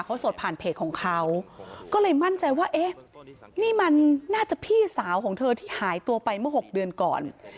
เขาสดผ่านเพจของเขาก็เลยมั่นใจว่าเอ๊ะนี่มันน่าจะพี่สาวของเธอที่หายตัวไปเมื่อ๖เดือนก่อน